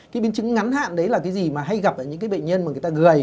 cái biến chứng ngắn hạn đấy là cái gì mà hay gặp ở những cái bệnh nhân mà người ta người